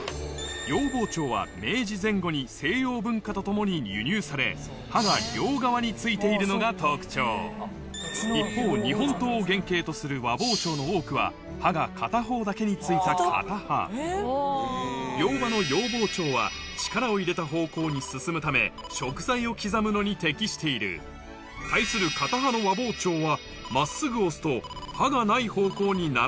洋包丁は明治前後に西洋文化と共に輸入され刃が両側に付いているのが特徴一方日本刀を原型とする和包丁の多くは刃が片方だけに付いた片刃両刃の洋包丁は力を入れた方向に進むため食材を刻むのに適している対する片刃の和包丁はのが特徴